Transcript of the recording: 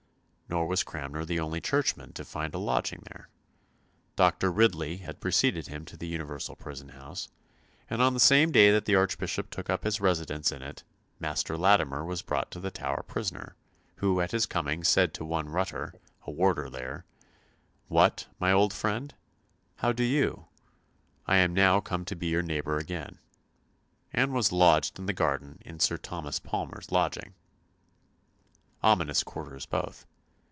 Nor was Cranmer the only churchman to find a lodging there. Doctor Ridley had preceded him to the universal prison house, and on the same day that the Archbishop took up his residence in it "Master Latimer was brought to the Tower prisoner; who at his coming said to one Rutter, a warder there, 'What, my old friend, how do you? I am now come to be your neighbour again,' and was lodged in the garden in Sir Thomas Palmer's lodging." Ominous quarters both!